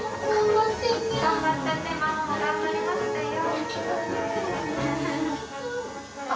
ママも頑張りましたよ。